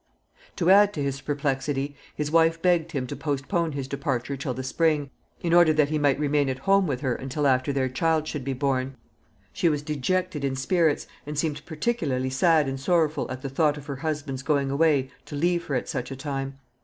To add to his perplexity, his wife begged him to postpone his departure till the spring, in order that he might remain at home with her until after their child should be born. She was dejected in spirits, and seemed particularly sad and sorrowful at the thought of her husband's going away to leave her at such a time.